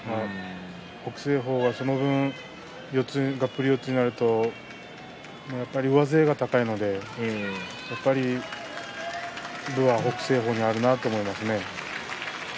北青鵬は、その分がっぷり四つになるとやっぱり上背が高いので分は北青鵬にあるなと思いますね。